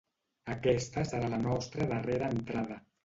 Aquesta serà la nostra darrera entrada.